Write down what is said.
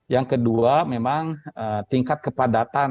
yang kedua memang tingkat kepadatan